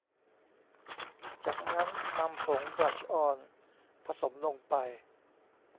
จากนั้นนำผงบลัชออนผสมลงไป